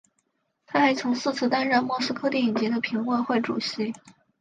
他还曾四次担任莫斯科电影节的评委会主席。